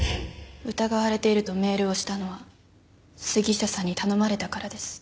疑われているとメールをしたのは杉下さんに頼まれたからです。